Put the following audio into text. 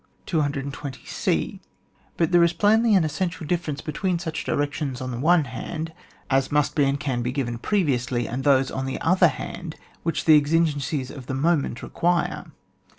220 c. But there is plainly an essen tial difference between such directions on the one hand, as must be and can be g^ven previously, and those, on the other hand, which the exigencies of the mo ment require.